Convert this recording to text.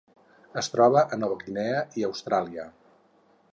Es troba a Nova Guinea i Austràlia.